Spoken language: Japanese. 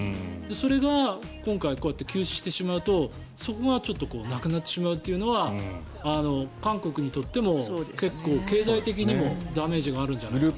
それが今回こうやって休止してしまうとそこが、ちょっとなくなってしまうというのは韓国にとっても結構経済的にもダメージがあるんじゃないかと。